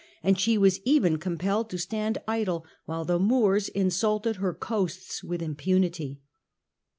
and she was even compelled to stand idle while the Moors insulted her coasts with impunity.